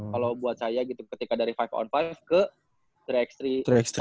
kalau buat saya gitu ketika dari lima on lima ke tiga x tiga